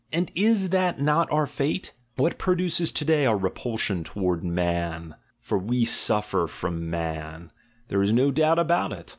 And is that not our fate? What pro duces to day our repulsion towards "man"? — for we suffer from "man," there is no doubt about it.